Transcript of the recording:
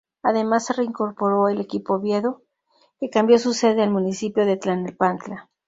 Además se reincorporó el equipo Oviedo, que cambió su sede al municipio de Tlalnepantla.